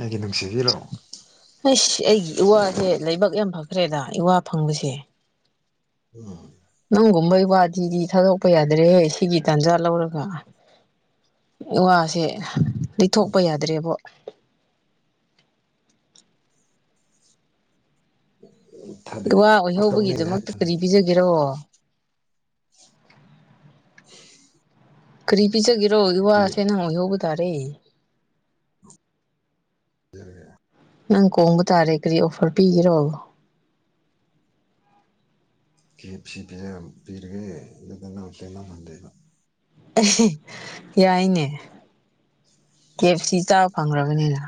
ꯑꯩꯒꯤ ꯅꯨꯡꯁꯤꯕꯤꯔꯣ ꯑꯩꯁ ꯑꯩꯒꯤ ꯏꯋꯥꯁꯦ ꯂꯥꯏꯕꯛ ꯌꯥꯝ ꯐꯈ꯭ꯔꯦꯗ ꯏꯋꯥ ꯐꯪꯕꯁꯦ ꯎꯝ ꯅꯪꯒꯨꯝꯕ ꯏꯋꯥꯗꯤꯗꯤ ꯊꯥꯗꯣꯛꯄ ꯌꯥꯗ꯭ꯔꯦꯍ‌ꯦ ꯁꯤꯒꯤ ꯇꯟꯖꯥ ꯂꯧꯔꯒ ꯏꯋꯥꯁꯦ ꯂꯤꯊꯣꯛꯄ ꯌꯥꯗ꯭ꯔꯦꯕꯣ ꯎꯝ ꯑꯣꯏꯍꯧꯕꯒꯤꯗꯃꯛꯇ ꯀꯔꯤ ꯄꯤꯖꯒꯦꯔꯣ ꯀꯔꯤ ꯄꯤꯖꯒꯔꯣ ꯀꯦꯛ ꯏꯋꯥꯁꯦ ꯅꯪ ꯑꯣꯏꯍꯧꯕ ꯇꯥꯔꯦ [unintelligible] ꯅꯪ ꯀꯣꯡꯕ ꯇꯥꯔꯦ ꯀꯔꯤ ꯑꯣꯐꯔ ꯄꯤꯒꯦꯔꯣ [unintelligible] ꯌꯥꯏꯅꯦ ꯀꯦꯞꯁꯤ ꯆꯥꯕ ꯐꯪꯈ꯭ꯔꯕꯅꯤꯅ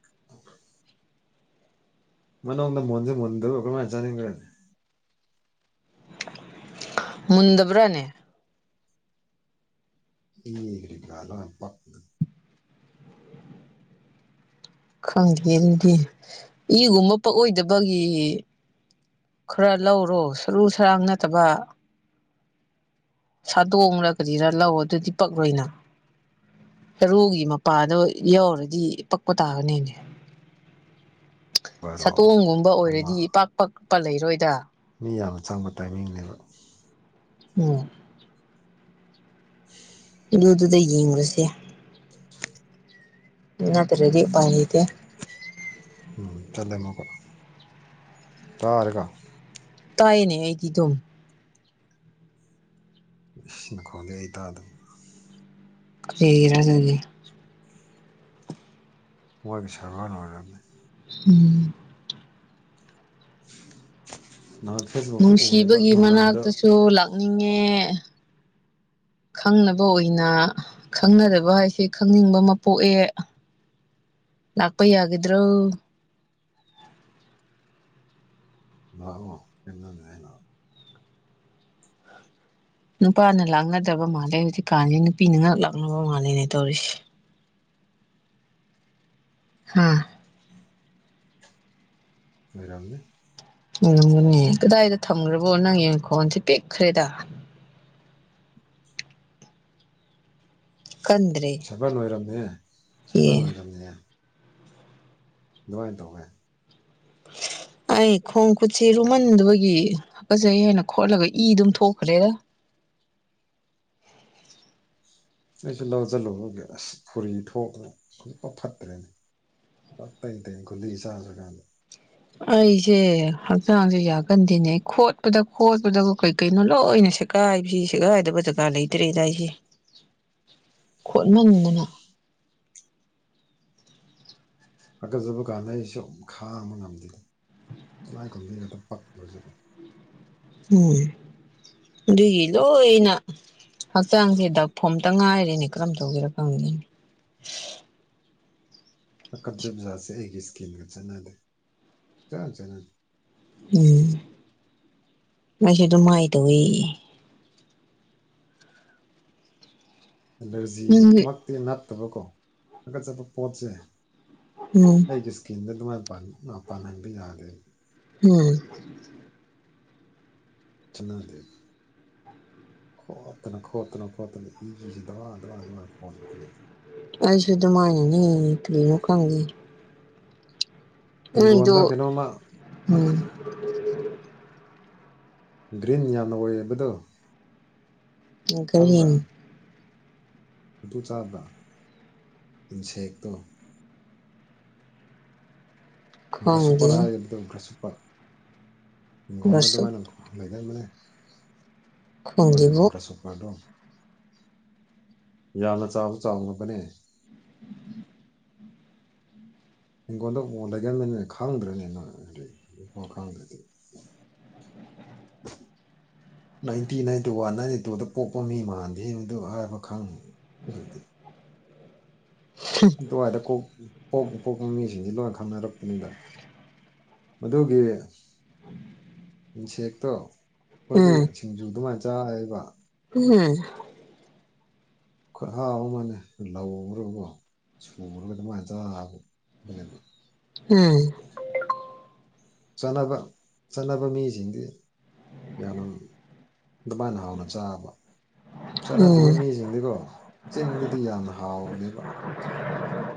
[unintelligible] ꯃꯅꯨꯡꯗꯅ ꯃꯨꯟꯁꯨ ꯃꯨꯟꯗꯕ ꯀꯃꯥꯏꯅ ꯆꯥꯅꯤꯡꯕꯔꯥ ꯃꯨꯟꯗꯕ꯭ꯔꯥꯅꯦ [unintelligible] ꯈꯪꯗꯦ ꯑꯗꯨꯗꯤ ꯏꯒꯨꯝꯕ ꯄꯛꯑꯣꯏꯗꯕꯒꯤ ꯈꯔ ꯂꯧꯔꯣ ꯁꯔꯨ ꯁꯔꯥꯡ ꯅꯠꯇꯕ ꯁꯥꯗꯣꯡꯔ ꯀꯔꯤꯔꯥ ꯂꯧ ꯑꯗꯨꯗꯤ ꯄꯛꯂꯣꯏ ꯅꯪ ꯁꯔꯨꯒꯤ ꯃꯄꯥꯗꯣ ꯌꯥꯎꯔꯗꯤ ꯄꯛꯄ ꯇꯥꯕꯅꯤꯅꯦ ꯕꯥꯔꯣ ꯁꯥꯇꯣꯡꯒꯨꯝꯕ ꯑꯃ ꯑꯣꯏꯔꯗꯤ ꯄꯥꯛ ꯄꯛꯄ ꯂꯩꯔꯣꯏꯗ ꯃꯤ ꯌꯥꯝꯅ ꯆꯪꯕ ꯇꯥꯏꯃꯤꯡꯅꯦꯕ ꯑꯝ ꯍꯝ ꯑꯗꯨꯗꯨꯗ ꯌꯦꯡꯉꯨꯔꯁꯦ ꯅꯠꯇꯔꯗꯤ ꯎꯄꯥꯏ ꯂꯩꯇ‌ꯦ ꯎꯝ ꯆꯠꯂꯦ ꯑꯃꯨꯛꯀ ꯇꯥꯔꯒ ꯇꯥꯏꯅꯦ ꯑꯩꯗꯤ ꯑꯗꯨꯝ ꯁꯤ ꯃꯈ‌ꯣꯜꯗꯤ ꯑꯩ ꯇꯗꯕ ꯀꯔꯤꯒꯤꯔ ꯑꯗꯨꯗꯤ ꯋꯥꯔꯤ ꯁꯥꯕ ꯂ‌ꯣꯏꯔꯝꯅꯤ ꯎꯝ ꯍꯝ ꯂꯥꯛꯑꯣ ꯐ‌ꯦ ꯅꯨꯡꯁꯤꯕꯒꯤ ꯃꯅꯥꯛꯇꯁꯨ ꯂꯥꯛꯅꯤꯡꯉꯦ ꯈꯪꯅꯕ ꯑꯣꯏꯅ ꯈꯪꯅꯗꯕ ꯍꯥꯏꯁꯦ ꯈꯪꯅꯤꯡꯕ ꯑꯃ ꯄꯣꯛꯑꯦ ꯂꯥꯛꯄ ꯌꯥꯒꯗ꯭ꯔꯣ ꯂꯥꯛ ꯑꯣ ꯀꯩ ꯅ‌ꯣꯅ‌ꯦ ꯂꯥꯛꯑꯣ ꯅꯨꯄꯥꯅ ꯂꯥꯛꯅꯗ꯭ꯔꯕ ꯃꯥꯜꯂꯦ ꯍꯧꯖꯤꯛ ꯀꯥꯟꯁꯤ ꯅꯨꯄꯤꯅ ꯉꯥꯛ ꯂꯥꯛꯅꯕ ꯃꯥꯜꯂꯦꯅꯦ ꯇꯧꯔꯤꯁꯦ ꯍꯥ ꯑꯣꯏꯔꯝꯅꯤ ꯑꯣꯏꯔꯝꯒꯅꯤ ꯀꯗꯥꯏꯗ ꯊꯝꯈ꯭ꯔꯕꯣ ꯅꯪꯒꯤ ꯃꯈꯣꯟꯁꯦ ꯄꯤꯛꯈ꯭ꯔꯦꯗ ꯀꯟꯗ꯭ꯔ‌ꯦ ꯁꯕꯔ ꯂꯣꯏꯔꯝꯃ‌ꯦ ꯁꯕꯔ ꯂꯣꯏꯔꯝꯃꯦ ꯑꯗꯨꯃꯥꯏꯅ ꯇꯧꯋꯦ ꯑꯩ ꯈꯣꯡ ꯈꯨꯠꯁꯤ ꯂꯨꯃꯟꯗꯕꯒꯤ ꯍꯥꯀꯖꯩ ꯍꯥꯏꯅ ꯈꯣꯠꯂꯒ ꯏ ꯑꯗꯨꯝ ꯊꯣꯛꯈ꯭ꯔꯦꯗ ꯑꯩꯁꯨ ꯂꯧ ꯆꯠꯂꯨꯕꯒꯤ ꯑꯁ ꯐꯨꯔꯤ ꯊꯣꯛꯇ ꯈꯨꯖꯤꯛꯄ ꯐꯠꯇ꯭ꯔꯦꯅꯦ [unintelligible] ꯑꯩꯁꯦ ꯍꯛꯆꯥꯡꯁꯦ ꯌꯥꯒꯟꯗꯦꯅꯦ ꯈꯣꯠꯄꯗ ꯈꯣꯠꯄꯗꯒ ꯀꯩ ꯀꯩꯅꯣ ꯂꯣꯏꯅ ꯁ ꯀꯥꯏ ꯐꯤ ꯁꯦꯀꯥꯏꯗꯕ ꯖꯒꯥ ꯂꯩꯇ꯭ꯔꯦꯗ ꯑꯩꯁꯦ ꯈꯣꯠꯃꯟꯗꯅ ꯍꯥꯀꯖꯕ ꯀꯥꯟꯗ ꯑꯩꯁꯨ ꯈꯥꯡꯕ ꯉꯝꯗꯦ ꯇꯤꯂꯥꯏꯈꯣꯝꯕꯤ ꯀꯨꯝꯗꯩ ꯄꯛꯂꯖꯕ ꯎꯝ ꯑꯗꯨꯒꯤ ꯂꯣꯏꯅ ꯍꯛꯆꯥꯡꯁꯦ ꯗꯛꯐꯣꯝꯇ ꯉꯥꯏꯔꯤꯅꯦ ꯀꯔꯝ ꯇꯧꯁꯤꯔ ꯈꯪꯅꯤ ꯄꯀꯠꯆ ꯕꯖꯥꯁꯦ ꯑꯩꯒꯤ ꯏꯁꯀꯤꯝꯒ ꯆꯠꯅꯗꯦ ꯆꯠꯅ ꯆꯠꯅꯗꯦ ꯎꯝ ꯃꯩꯁꯨ ꯑꯗꯨꯝꯃꯥꯏ ꯇꯧꯋꯤ ꯅꯪꯗꯤ ꯑꯦꯂꯔꯖꯤꯃꯛꯇꯤ ꯅꯠꯇꯕꯀꯣ ꯍꯥꯥꯀꯠꯆꯠꯄ ꯄꯣꯠꯁꯦ ꯎꯝ ꯑꯩꯒꯤ ꯏꯁꯀꯤꯟꯗ ꯑꯗꯨꯃꯥꯏꯅ ꯄ ꯄꯥꯟꯍꯟꯕ ꯌꯥꯗꯦ ꯎꯝ ꯆꯠꯅꯗ‌ꯦ ꯈꯣꯠꯇꯅ ꯈꯣꯠꯇꯅ ꯈꯣꯠꯇꯅ ꯏ ꯑꯗ ꯑꯗ ꯈꯣꯠꯄꯅ‌ꯦ ꯑꯩꯁꯨꯗꯨꯃꯥꯏꯅꯅꯤ ꯀꯔꯤꯅ‌ꯣ ꯈꯪꯗ‌ꯦ ꯅ‌ꯣꯏꯗꯨ ꯍꯤꯡꯒꯣꯜꯗ ꯀꯩꯅꯣꯝꯃ ꯎꯝ ꯒ꯭ꯔꯤꯟ ꯌꯥꯝꯅ ꯑꯣꯏꯌꯦꯕꯗꯣ ꯉꯥꯏꯈ‌ꯣ ꯌ‌ꯦꯡꯏ ꯑꯗꯨ ꯆꯥꯕ꯭ꯔ ꯏꯟꯁꯦꯛꯇꯣ ꯈꯣꯡꯗꯦ ꯒ꯭ꯔꯁꯨꯄꯔꯗ ꯒ꯭ꯔꯁꯨꯄꯔ ꯏꯒꯣꯗ ꯔꯁꯨꯛ ꯑꯗꯨꯃꯥꯏꯅ ꯂꯩꯒꯟꯕꯅꯦ ꯍꯣꯏ ꯈꯣꯡꯗꯦꯕꯨ ꯒ꯭ꯔꯁꯁꯣꯄ꯭ꯔꯗꯣ ꯌꯥꯅ ꯆꯥꯎꯁꯨ ꯆꯥꯎꯅꯕꯅꯦ [inaudible] ꯍꯤꯡꯒꯣꯟꯗ ꯑꯣ ꯂꯩꯒꯔꯃꯦꯟꯅ ꯈꯪꯗ꯭ꯔꯅꯤꯅ ꯍꯥꯏꯗꯤ ꯈꯪꯗ꯭ꯔꯗꯤ [inaudible] ꯅꯥꯏꯟꯇꯤ ꯅꯥꯏꯟꯇꯤ ꯋꯥꯟ ꯅꯥꯏꯟꯇꯤ ꯇꯨꯗ ꯄꯣꯛꯄ ꯃꯤ ꯃꯥꯟꯗꯦꯕꯗꯨ ꯍꯥꯏꯕ ꯈꯪ ꯑꯗꯨꯗꯤ ꯇꯨꯡ ꯍꯥꯏꯗ ꯀꯣ ꯄꯣꯛꯄ ꯄꯣꯛꯄ ꯃꯤꯁꯤꯡꯁꯤ ꯂꯣꯏꯅ ꯈꯪꯅꯔꯛꯄꯅꯤꯗ ꯑꯗꯨꯒꯤ ꯁꯦꯛꯇꯣ ꯑꯩꯈꯣꯏꯗꯤ ꯎꯝ ꯁꯤꯡꯖꯨ ꯑꯗꯨꯃꯥꯏꯅ ꯆꯥꯔꯦꯕ ꯎꯝ ꯈꯨꯠ ꯍꯥꯎꯕ ꯃꯥꯜꯅꯦ ꯂꯧꯔꯒꯀꯣ ꯁꯨꯔꯒ ꯑꯗꯨꯃꯥꯏꯅ ꯇꯥꯕꯅꯦꯕ ꯎꯝ ꯆꯠꯅꯕ ꯆꯠꯅꯕ ꯃꯤꯁꯤꯡꯗꯤ ꯌꯥꯝꯅ ꯑꯗꯨꯃꯥꯏꯅ ꯍꯥꯎꯅ ꯆꯥꯕ ꯆꯥꯟꯅꯗꯕ ꯎꯝ ꯃꯤꯁꯤꯡ ꯑꯗꯨꯀꯣ ꯆꯤꯟꯗꯗꯤ ꯌꯥꯝꯅ ꯍꯥꯎꯅꯦꯕ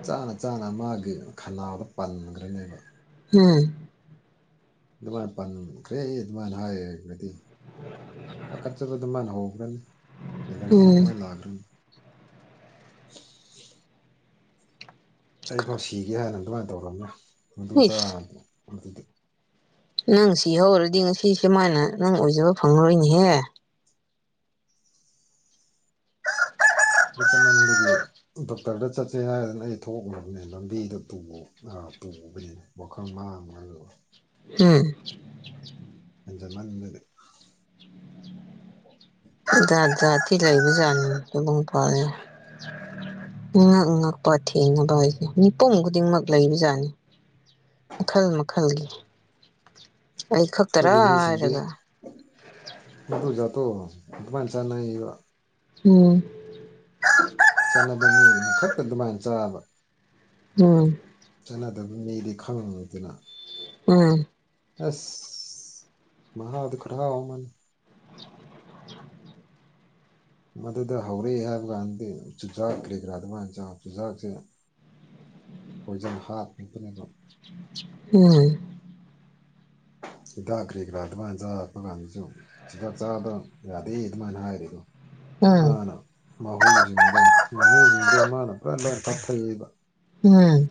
ꯆꯥꯅ ꯆꯥꯅ ꯃꯥꯒꯤ ꯈꯅꯥꯎꯗ ꯄꯟꯈ꯭ꯔꯅꯦꯕ ꯎꯝ ꯑꯗꯨꯃꯥꯏꯅ ꯄꯟꯈ꯭ꯔꯦ ꯑꯗꯨꯃꯥꯏꯅ ꯍꯥꯏꯔꯒꯗꯤ ꯑ ꯀꯠꯆꯕ ꯑꯗꯨꯃꯥꯏꯅ ꯍꯧꯈ꯭ꯔꯅꯤ ꯑꯦꯅꯔꯖꯤ ꯎꯝ ꯑꯗꯨꯃꯥꯏꯅ ꯂꯥꯛꯈ꯭ꯔꯅꯤ ꯑꯩꯐꯥꯎ ꯁꯤꯒꯦ ꯍꯥꯏꯅ ꯑꯗꯨꯃꯥꯏꯅ ꯇꯧꯔꯝꯃꯦ ꯑꯗꯨꯗꯨ ꯆꯥꯗ ꯏꯁ ꯑꯗꯨꯗꯤ ꯅꯪ ꯁꯤ ꯍꯧꯔꯗꯤ ꯉꯁꯤꯁꯦ ꯁꯨꯃꯥꯏꯅ ꯅꯪ ꯑꯣꯏꯖꯕ ꯐꯪꯂꯔꯣꯏꯅꯦꯍꯦ ꯃꯇꯝ ꯃꯥꯡꯕꯒꯤ [unintelligible] ꯗꯣꯛꯇꯔꯗ ꯆꯠꯁꯦ ꯍꯥꯏꯔꯗꯅ ꯑꯩ ꯊꯣꯛꯈ꯭ꯔꯕꯅꯦ ꯂꯝꯕꯤꯗ ꯄꯨꯕꯅꯤꯅ ꯋꯥꯈꯜ ꯃꯥꯡꯃ ꯎꯝ ꯑꯖꯃꯟꯕꯗ ꯗ ꯇꯤꯂꯥꯏꯕꯨ ꯆꯥꯁꯨꯕꯦ ꯛ ꯉꯛꯄ ꯊꯦꯡꯅꯕ ꯍꯥꯏꯁꯦ ꯃꯤꯄꯨꯝ ꯈꯨꯗꯤꯡꯃꯛ ꯂꯩꯕꯖꯥꯠꯅꯤ ꯃꯈꯜ ꯃꯈꯜꯒꯤ ꯑꯩ ꯈꯛꯇꯔꯥ ꯍꯥꯏꯔꯒ ꯇꯣ ꯆꯠꯇꯣ ꯑꯗꯨꯃꯥꯟ ꯆꯅ ꯎꯝ ꯆꯠꯅꯕ ꯃꯤꯒꯤꯅ ꯈꯛꯇ ꯑꯗꯨꯃꯥꯏꯅ ꯆꯥꯕ ꯎꯝ ꯆꯠꯅꯗꯕ ꯃꯤꯗꯤ ꯈꯪꯕꯗꯨꯅ ꯎꯝ ꯑꯁ ꯃꯍꯍ ꯑꯗꯨ ꯀꯔ ꯑꯋꯥꯃꯅ [inaudible] ꯃꯗꯨꯗ ꯍꯧꯔꯦ ꯍꯥꯏꯕ ꯀꯥꯟꯗꯗꯤ ꯆꯨꯖꯥꯛ ꯀꯔꯤ ꯀꯔꯥ ꯑꯗꯨꯃꯥꯏꯅ ꯆꯨꯖꯥꯛꯁꯦ ꯀꯣꯏꯖꯟ ꯍꯥꯠ ꯅꯠꯇꯅꯕ ꯎꯝ ꯍꯤꯗꯥꯛ ꯀꯔꯤ ꯀꯔꯥ ꯑꯗꯨꯃꯥꯏꯅ ꯆꯥꯔꯛꯄ ꯀꯥꯟꯗꯁꯨ ꯆꯤꯟꯖꯥꯛ ꯆꯥꯕ ꯌꯥꯗꯦ ꯑꯗꯨꯃꯥꯏꯅ ꯍꯥꯏꯔꯤꯗꯣ ꯎꯝ ꯃꯥꯅ ꯃꯍꯨꯁꯤꯡꯗꯣ ꯃꯍꯨꯁꯤꯡꯗꯣ ꯃꯥꯅ ꯄꯨꯔ ꯂꯣꯏ ꯇꯞꯊꯕ ꯎꯝ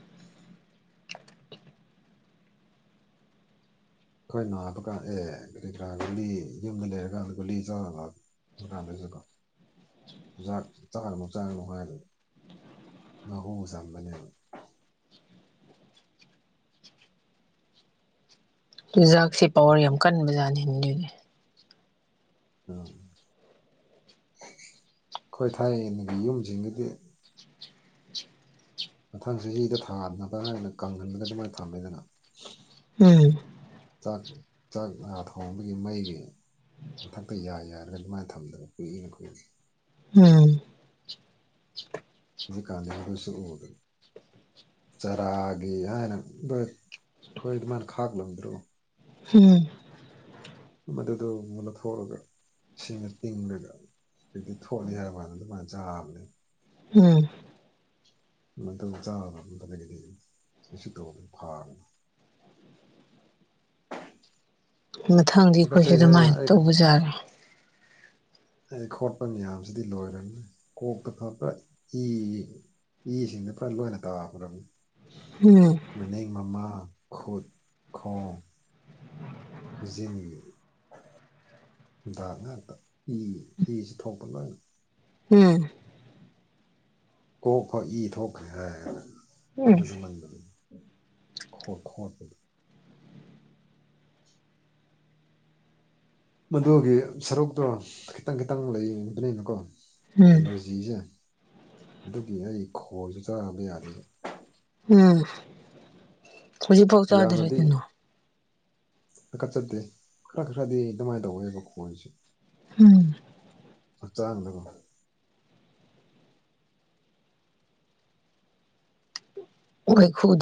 ꯑꯩꯈꯣꯏ ꯅꯥꯕ ꯀꯥꯟ ꯑꯦ ꯀꯔꯤ ꯀꯔꯥ ꯒꯨꯂꯤ ꯌꯨꯝꯗ ꯂꯩꯔꯀꯥꯟꯗ ꯒꯨꯂꯤ ꯆꯥꯔꯒ [unintelligible] ꯃꯍꯨ ꯆꯝꯕꯅꯦ ꯆꯨꯖꯥꯛꯁꯦ ꯄꯋꯥꯔ ꯌꯥꯝ ꯀꯟꯕꯖꯥꯠꯅꯤ ꯍꯗꯨꯣꯏꯅꯦ ꯎꯝ ꯑꯩꯈꯣꯏ ꯊꯥꯏꯅꯒꯤ ꯌꯨꯖꯤꯡꯗꯨꯗꯤ ꯃꯊꯪꯁꯤ ꯍꯗ ꯊꯥꯅꯕ ꯍꯥꯏꯅ ꯀꯪꯍꯜꯂꯒ ꯑꯗꯨꯃꯥꯏꯅ ꯊꯝꯃꯦꯗꯅ ꯎꯝ ꯆꯥꯛ ꯆꯥꯛ ꯊꯣꯡꯕꯒꯤ ꯃꯩꯒꯤ ꯃꯊꯛꯇ ꯌꯥ ꯌꯥꯔꯒ ꯑꯗꯨꯃꯥꯏꯅ ꯊꯝꯗꯒ ꯀꯨꯏꯅ ꯀꯨꯏ ꯎꯝ ꯑꯗꯨꯛ ꯀꯥꯟꯁꯨ ꯑꯣꯏꯒꯅꯤ ꯆꯔꯥꯒꯤ ꯍꯥꯏꯅ ꯑꯩꯈꯣꯏ ꯑꯗꯨꯃꯥꯏꯅ ꯈꯥꯛꯂꯝꯗ꯭ꯔꯣ ꯍ ꯃꯗꯨꯗ ꯂꯧꯊꯣꯛꯑꯒ ꯁꯤꯡꯅ ꯇꯤꯡꯉꯒ ꯑꯛꯇꯤ ꯊꯣꯠꯂ ꯍꯥꯏ ꯀꯥꯟꯗ ꯑꯗꯨꯃꯥꯏꯅ ꯆꯥꯕꯅꯦ ꯎꯝ ꯑꯗꯨꯃꯇ ꯆꯥꯕ ꯑꯃꯝ ꯀꯩ ꯀꯩ ꯀꯩꯁꯨ ꯇꯧꯕꯔ ꯐꯥꯕ ꯃꯊꯪꯗꯤ ꯑꯩꯈꯣꯏꯁꯨ ꯍꯥꯀꯠꯆꯩ ꯍꯥꯏꯅ ꯑꯗꯨꯃꯥꯏꯅ ꯑꯩ ꯇꯧꯕꯖꯥꯔꯦ ꯑꯩ ꯈꯣꯠꯄ ꯃꯌꯥꯝꯁꯤꯗꯤ ꯂꯣꯏꯔꯅꯤꯅꯤ ꯀꯣꯛꯇ ꯐꯄ ꯏ ꯏꯁꯤꯡꯗ ꯄꯨꯔ ꯂꯣꯏꯅ ꯇꯥ ꯐ꯭ꯔꯅꯤ ꯎꯝ ꯃꯅꯦꯛ ꯃꯃꯥ ꯈꯨꯠ ꯈꯣꯡ ꯈꯨꯖꯤꯅꯤꯡ ꯍꯗꯥꯛ ꯉꯥꯛꯇ ꯏ ꯏꯁꯤ ꯊꯣꯛꯄ ꯂꯣꯏꯅ ꯎꯝ ꯀꯣꯛꯈ ꯏ ꯊꯣꯛꯈ꯭ꯔꯦ ꯍꯥꯏ ꯎꯝ ꯈꯖꯃꯟꯕꯗꯨꯅꯤ ꯍꯣ ꯊ ꯍ ꯃꯗꯨꯒꯤ ꯁꯔꯨꯛꯇꯣ ꯈꯤꯇꯪ ꯈꯤꯇꯪ ꯂꯩꯕꯅꯤꯅꯀꯣꯔꯤꯁ ꯎꯝ ꯖꯤꯁꯦ ꯑꯗꯨꯒꯤ ꯑꯩ ꯈꯜꯁꯨ ꯆꯥꯛꯑꯕ ꯌꯥꯗꯦꯕ ꯎꯝ ꯍꯧꯖꯤꯛꯐꯥꯎ ꯆꯥꯗꯔꯦ ꯌꯥꯖꯥꯃꯗꯤ ꯀꯩꯅꯣ ꯀꯀꯠ ꯆꯠꯇꯦ ꯈꯔ ꯈꯔꯗꯤ ꯑꯗꯨꯃꯥꯏꯅ ꯇꯧꯋꯦꯕ ꯈꯣꯁꯦ ꯎꯝ ꯈꯠꯇꯝ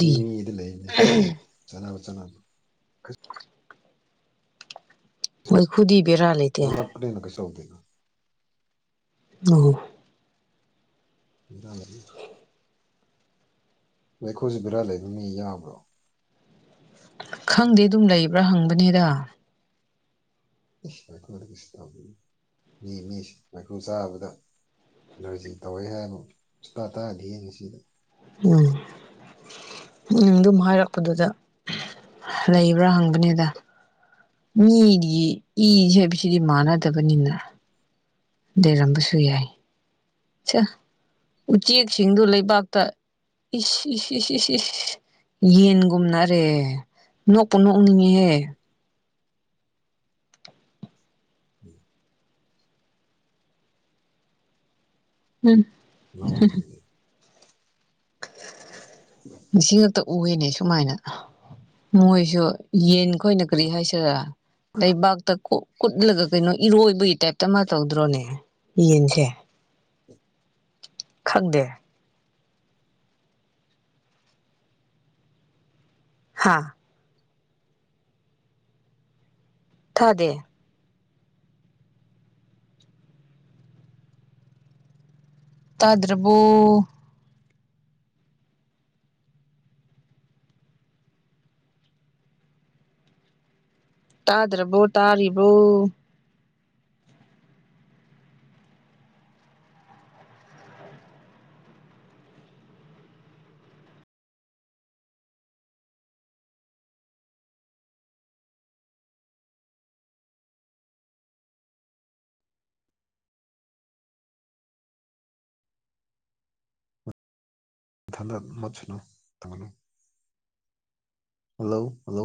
ꯃꯤ ꯃꯤꯗ ꯂꯩꯔꯤꯅꯦ ꯁꯤꯁꯦ ꯆꯅꯕ ꯆꯠꯅꯕ ꯃꯣꯏꯈꯨꯗꯤꯕꯔꯥ ꯂꯩꯇꯦ ꯂꯩꯕꯥꯛꯇꯅ ꯍꯦꯟꯅꯥ ꯀꯩꯁꯨ ꯇꯧꯗꯦꯀꫭ ꯑ UNINTELLIGIBLE ꯑꯩꯈꯣꯏꯁꯨ ꯕꯔꯥ ꯂꯩꯕ ꯃꯤ ꯌꯥꯕ꯭ꯔꯣ ꯈꯪꯗꯦ ꯑꯗꯨꯝ ꯂꯩꯕ꯭ꯔꯥ ꯍꯪꯕꯅꯦꯗ ꯏꯁꯁ ꯃꯥꯏꯀꯨꯗ ꯀꯩꯁꯨ ꯇꯧꯃꯤ ꯃꯤ ꯃꯤ ꯃꯥꯏꯀꯨ ꯆꯥꯕꯗ ꯑꯦꯂꯔꯖꯤ ꯇꯧꯔꯦ ꯍꯥꯏꯕ ꯁꯨꯇꯥꯇꯥꯥꯔꯗꯤ ꯉꯁꯤꯗꫭ ꯎꯝ ꯅꯪ ꯑꯗꯨꯝ ꯍꯥꯏꯔꯛꯄꯗꯨꯗ ꯂꯩꯕ꯭ꯔꯥ ꯍꯪꯕꯅꯤꯗ ꯃꯤꯒꯤ ꯏ ꯍꯥꯏꯕꯁꯤꯗꯤ ꯃꯥꯟꯅꯗꯕꯅꯤꯅ ꯂꯩꯔꯝꯕꯁꯨ ꯌꯥꯏ ꯎꯆꯦꯛꯁꯤꯡꯗꯨ ꯂꯩꯕꯥꯛꯇ ꯏ ꯏ ꯏ ꯏ ꯏ ꯌꯦꯟꯒꯨꯝꯅꯔꯦ ꯅꯣꯛꯄꯨ ꯅꯣꯛꯅꯤꯡꯉꯦꯍꯦ ꯎꯝ ꯎꯝ ꯍ ꯎꯝ ꯉꯁꯤ ꯉꯛꯇ ꯎꯌꯦꯅꯦ ꯁꯨꯃꯥꯏꯅ ꯃꯣꯏꯁꯨ ꯌꯦꯟ ꯑꯩꯈꯣꯏꯅ ꯀꯔꯤ ꯍꯥꯏꯁꯤꯔꯥ ꯂꯩꯕꯥꯛꯇ ꯀꯨꯠꯂꯒ ꯀꯩꯅꯣ ꯏꯔꯣꯏꯕꯒꯤ ꯇꯥꯏꯞ ꯑꯃ ꯇꯧꯗ꯭ꯔꯣꯅꯦ ꯌꯦꯟꯁꯦ ꯈꯪꯗꯦ ꯍꯥꯥ ꯊꯗꯦ ꯇꯥꯗ꯭ꯔꯕꯔꫭ ꯇꯥꯗ꯭ꯔꯕꯣ ꯇꯥꯔꯤꯕꯣ ꯊꯟ ꯃꯁꯨꯅ ꯊꯝꯒꯅꯨ ꯍꯜꯂꯣ ꯍꯜꯂꯣ